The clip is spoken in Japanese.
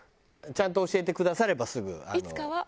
ちゃんと教えてくださればすぐ。